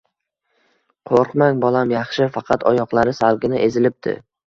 Qoʻrqmang, bolam yaxshi, faqat oyoqlari salgina ezilibdi